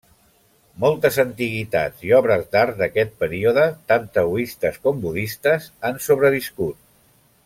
Moltes antiguitats i obres d'art d'aquest període, tant taoistes com budistes, han sobreviscut.